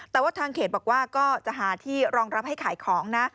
แต่ว่าทางเขตบอกว่าก็จะหาที่รองรับให้ขายของนะ